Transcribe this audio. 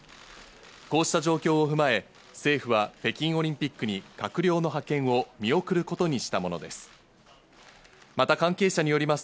こうした状況を踏まえ、政府は北京オリンピックに閣僚の派遣を見送ることにしたものです。